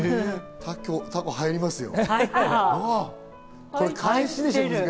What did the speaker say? タコ、入りますよ。